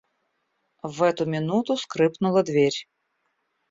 В эту минуту скрыпнула дверь.